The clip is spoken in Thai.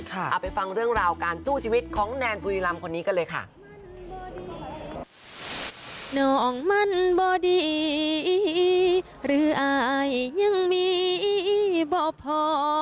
เอาไปฟังเรื่องราวการสู้ชีวิตของแนนบุรีรำคนนี้กันเลยค่ะ